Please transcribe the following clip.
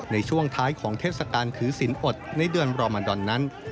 ในช่วงท้ายของเทศกาลถือศิลป์อดในเดือนรอมันดอนนั้น